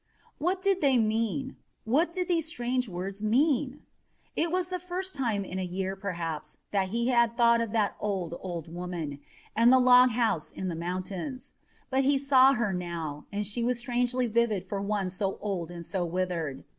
What did they mean? What did those strange words mean? It was the first time in a year, perhaps, that he had thought of that old, old woman, and the log house in the mountains. But he saw her now, and she was strangely vivid for one so old and so withered.